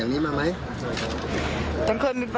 อย่างนี้มาไหม